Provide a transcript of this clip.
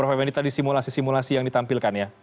ini adalah profil yang ditampilkan